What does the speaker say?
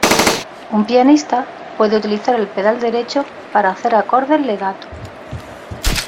Un pianista puede utilizar el pedal derecho para hacer acordes "legato".